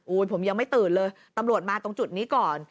ผมยังไม่ตื่นเลยตำรวจมาตรงจุดนี้ก่อน